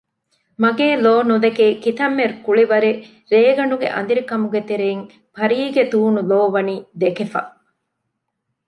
މަގޭ ލޯ ނުދެކޭ ކިތަންމެ ކުޅިވަރެއް ރޭގަނޑުގެ އަނދިރިކަމުގެ ތެރެއިން ޕަރީގެ ތޫނު ލޯ ވަނީ ދެކެފަ